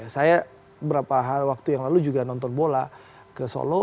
saya beberapa waktu yang lalu juga nonton bola ke solo